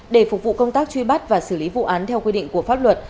để phục vụ công tác truy bắt và xử lý vụ án theo quy định của pháp luật